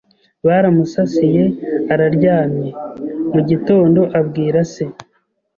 baramusasiye araryamye. Mu gitondo abwira se